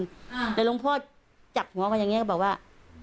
แต่หลวงพ่อจับหัวเขาอย่างเงี้ก็บอกว่า